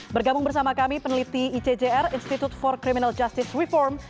bergabung bersama kami peneliti icjr institute for criminal justice reform